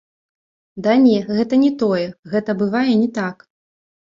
Ды не, гэта не тое, гэта бывае не так.